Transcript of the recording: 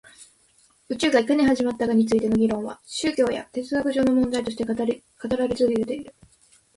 宇宙がいかに始まったかについての議論は宗教や哲学上の問題として語られて続けている